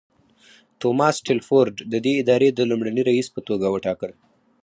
توماس ټیلفورډ ددې ادارې د لومړني رییس په توګه وټاکل.